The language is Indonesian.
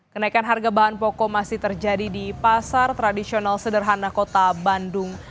kenaikan harga bahan pokok masih terjadi di pasar tradisional sederhana kota bandung